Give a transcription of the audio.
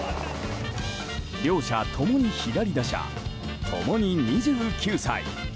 両者共に左打者共に２９歳。